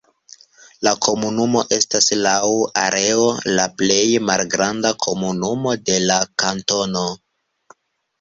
La komunumo estas laŭ areo la plej malgranda komunumo de la kantono.